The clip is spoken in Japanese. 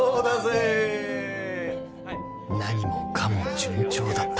［何もかも順調だった］